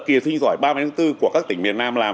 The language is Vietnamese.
kỳ thi học sinh giỏi ba bốn của các tỉnh miền nam làm